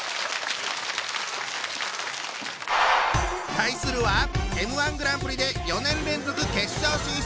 対するはＭ−１グランプリで４年連続決勝進出。